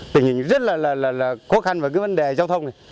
tình hình rất là khó khăn và cái vấn đề giao thông này